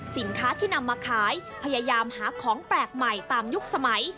สินค้าที่นำมาขายพยายามหาของแปลกใหม่ตามยุคสมัย